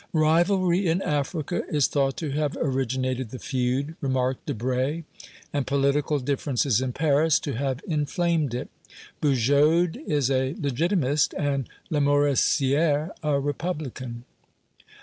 "Rivalry in Africa is thought to have originated the feud," remarked Debray, "and political differences in Paris to have inflamed it. Bugeaud is a Legitimist, and Lamoricière a Republican."